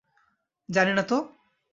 জানি না তো।